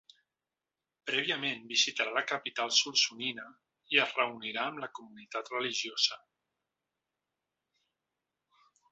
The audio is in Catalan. Prèviament, visitarà la capital solsonina i es reunirà amb la comunitat religiosa.